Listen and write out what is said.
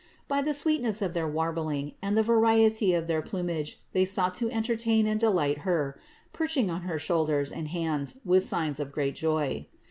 By the sweetness of their warbling and the variety of their plumage they sought to entertain and delight Her, perching on her shoulders and hands with signs of great joy.